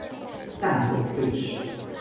战后废寺。